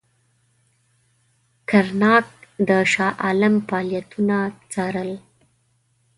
کرناک د شاه عالم فعالیتونه څارل.